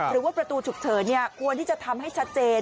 หรือว่าประตูฉุกเฉินควรที่จะทำให้ชัดเจน